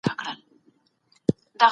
نېکمرغي د انسان د زړه په سکون کي ده.